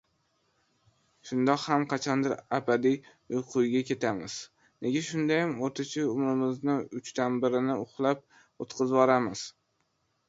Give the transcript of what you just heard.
Shundoq ham qachondir abadiy uyquga ketamiz, nega shundayam oʻrtacha umrimizni uchdan birini uxlab oʻtqazvoramiz?